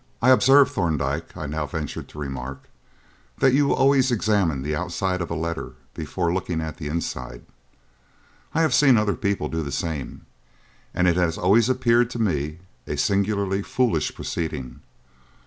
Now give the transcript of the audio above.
"I observe, Thorndyke," I now ventured to remark, "that you always examine the outside of a letter before looking at the inside. I have seen other people do the same, and it has always appeared to me a singularly foolish proceeding.